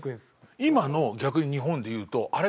今の逆に日本で言うとあれ？